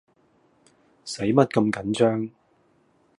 駛乜咁緊張